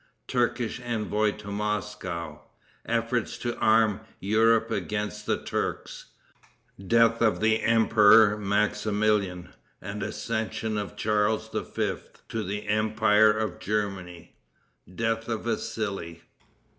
Turkish Envoy To Moscow. Efforts To Arm Europe Against the Turks. Death of the Emperor Maximilian, and Accession of Charles V. To the Empire of Germany. Death of Vassili.